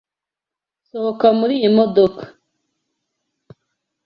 Sohoka muriyi modoka.